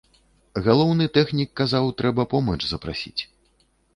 Галоўны тэхнік казаў, трэба помач запрасіць.